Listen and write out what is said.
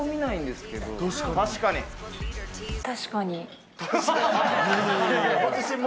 確かに。